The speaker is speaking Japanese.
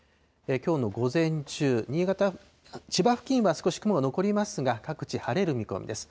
きょうの午前中、千葉付近は雲が残りますが、各地晴れる見込みです。